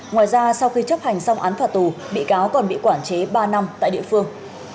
ngoài ra sau khi chấp hành xong án phạt tù bị cáo còn bị quản chế ba năm tại địa phương